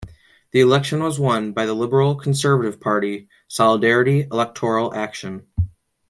The election was won by the liberal conservative party Solidarity Electoral Action.